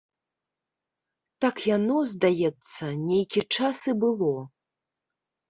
Так яно, здаецца, нейкі час і было.